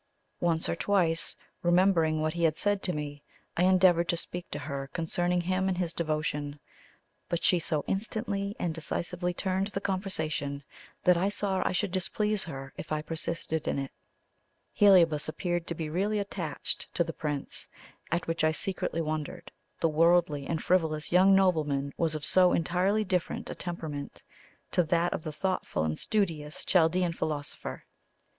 Once or twice, remembering what he had said to me, I endeavoured to speak to her concerning him and his devotion; but she so instantly and decisively turned the conversation that I saw I should displease her if I persisted in it. Heliobas appeared to be really attached to the Prince, at which I secretly wondered; the worldly and frivolous young nobleman was of so entirely different a temperament to that of the thoughtful and studious Chaldean philosopher.